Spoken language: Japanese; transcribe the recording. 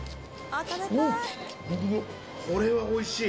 これはおいしい。